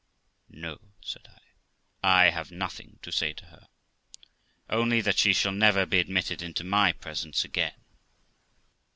'No', said I, 'I have nothing to say to her, only that she shall never be admitted into my presence again.'